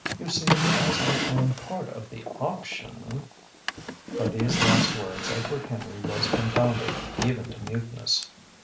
You see, as I own part of the option " By these last words Edward Henry was confounded, even to muteness.